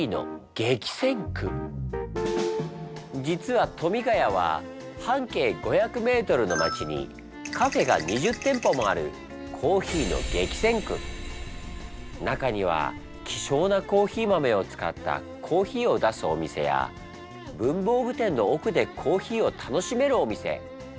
実は富ヶ谷は半径５００ｍの街にカフェが２０店舗もある中には希少なコーヒー豆を使ったコーヒーを出すお店や文房具店の奥でコーヒーを楽しめるお店。